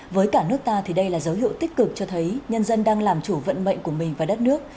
với cả nước ta thì đây là dấu hiệu tích cực cho thấy nhân dân đang làm chủ vận mệnh của mình và đất nước